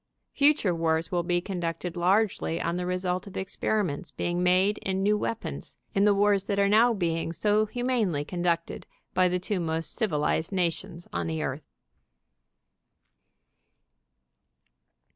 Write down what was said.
Future wars will be conducted largely on the result of ex periments being made in new weapons, in the wars that are now being so humanely conducted by the two most civilized nations on the earth.